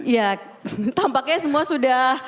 ya tampaknya semua sudah